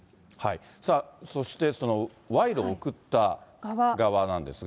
そして、その賄賂を贈った側なんですが。